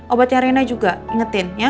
obatnya rena juga ingetin ya